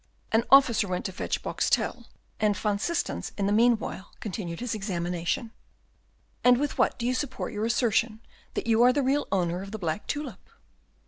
An officer went off to fetch Boxtel, and Van Systens in the meanwhile continued his examination. "And with what do you support your assertion that you are the real owner of the black tulip?"